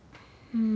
うん